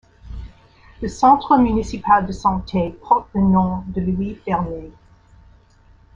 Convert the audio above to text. Le Centre municipal de Santé porte le nom de Louis Fernet.